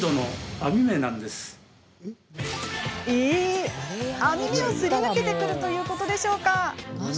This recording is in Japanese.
網目をすり抜けてくるということですか？